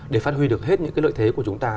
để phát huy được hết những cái lợi thế của chúng ta